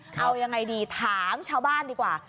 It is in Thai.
เอายังไงดีถามชาวบ้านดีกว่า